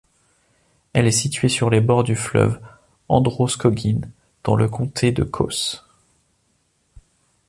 Elle est située sur les bords du fleuve Androscoggin dans le comté de Coos.